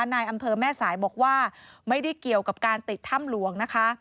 นายอำเภอแม่สายบอกว่าไม่ได้เกี่ยวกับการติดถ้ำหลวงนะคะ